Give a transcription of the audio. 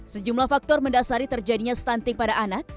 sejumlah faktor mendasari terjadinya stunting pada anak